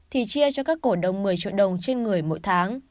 thì chia cho các cổ đông một mươi triệu đồng trên người mỗi tháng